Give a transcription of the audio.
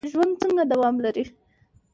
ژوند څنګه دوام لري؟